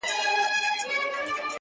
o تر تا څو چنده ستا د زني عالمگير ښه دی.